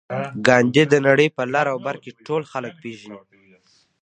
ګاندي د نړۍ په لر او بر کې ټول خلک پېژني